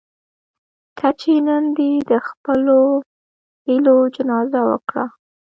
کچې نن دې د خپلو هيلو جنازه وکړه.